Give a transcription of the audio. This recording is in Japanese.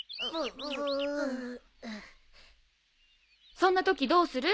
そんなときどうする？